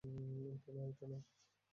এটা না, এটা না।